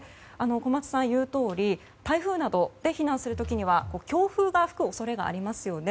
小松さんが言うとおり台風などで避難する時には強風が吹く恐れがありますよね。